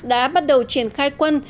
đã bắt đầu triển khai quân